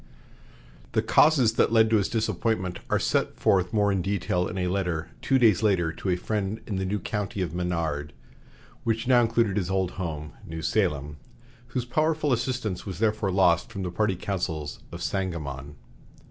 '" The causes that led to his disappointment are set forth more in detail in a letter, two days later, to a friend in the new county of Menard, which now included his old home, New Salem, whose powerful assistance was therefore lost from the party councils of Sangamon.